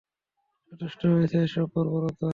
যথেষ্ট হয়েছে এসব বর্বরতা।